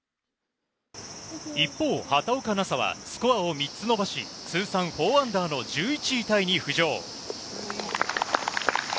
一方、畑岡奈紗はスコアを３つ伸ばし通算４アンダーの１１位タイに浮上。